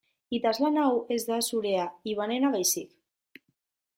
Idazlan hau ez da zurea Ivanena baizik.